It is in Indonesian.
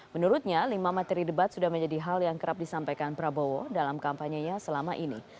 menurutnya lima materi debat sudah menjadi hal yang kerap disampaikan prabowo dalam kampanyenya selama ini